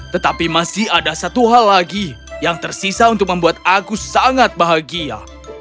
tetapi masih ada satu hal lagi yang tersisa untuk membuat aku sangat bahagia